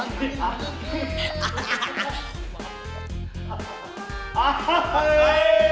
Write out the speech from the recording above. neng mau belajar dulu